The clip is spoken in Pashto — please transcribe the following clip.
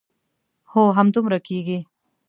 هو همدومره کېږي.